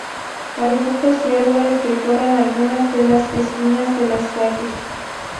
Arbustos y árboles decoran algunas de las esquinas de las calles.